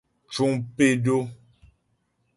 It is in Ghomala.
Mcuŋ pé dó.